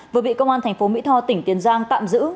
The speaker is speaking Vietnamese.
vừa bị công an thành phố mỹ tho tỉnh tiền giang tạm giữ